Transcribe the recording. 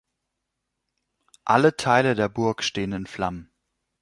Alle Teile der Burg stehen in Flammen.